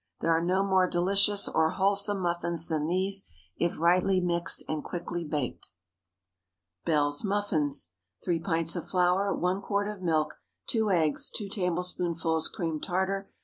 There are no more delicious or wholesome muffins than these, if rightly mixed and quickly baked. BELLE'S MUFFINS. 3 pints of flour. 1 quart of milk. 2 eggs. 2 tablespoonfuls cream tartar.